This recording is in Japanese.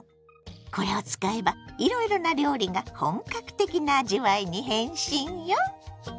これを使えばいろいろな料理が本格的な味わいに変身よ！